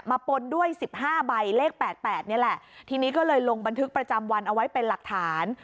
ปนด้วย๑๕ใบเลข๘๘นี่แหละทีนี้ก็เลยลงบันทึกประจำวันเอาไว้เป็นหลักฐาน